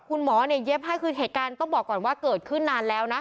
คุณหมอเนี่ยเย็บให้คือเหตุการณ์ต้องบอกก่อนว่าเกิดขึ้นนานแล้วนะ